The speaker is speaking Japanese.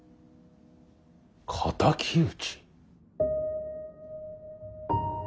敵討ち。